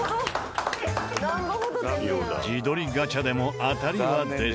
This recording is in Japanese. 自撮りガチャでも当たりは出ず。